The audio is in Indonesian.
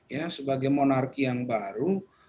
ya sebagai monarki yang baru